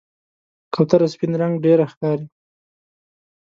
کوتره سپین رنګ ډېره ښکاري.